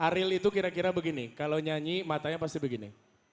ariel itu kira kira begini kalau nyanyi matanya pasti begini